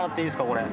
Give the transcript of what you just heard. これ。